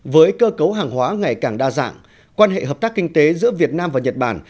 với cơ cấu hàng hóa ngày càng đa dạng quan hệ hợp tác kinh tế giữa việt nam và nhật bản